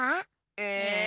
え？